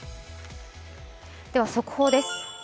では速報です。